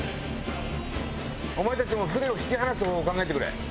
お前たちも船を引き離す方法を考えてくれ。